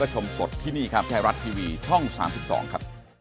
ขอบคุณครับ